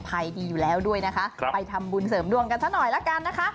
ไปทำบุญเสริมดวงกันสักหน่อยแล้วกันนะคะ